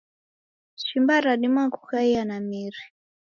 Shimba radima kukaia na miri.